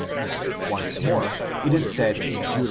Once more, it is said in Deut.